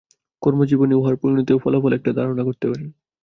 কর্মজীবনে উহার পরিণতি ও ফলাফল জানিয়াই আমরা উহার সম্বন্ধে একটা ধারণা করিতে পারি।